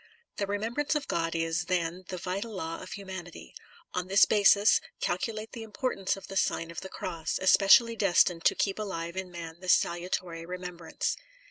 The remembrance of God is, then, the vital law of humanity. On this basis, cal culate the importance of the Sign of the Cross, especially destined to keep alive in man this salutary remembrance.